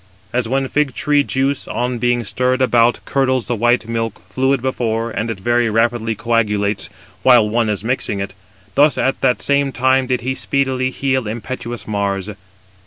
As when fig tree juice, 233 on being stirred about, curdles the white milk, fluid before, and it very rapidly coagulates, while one is mixing it; thus at that time did he speedily heal impetuous Mars.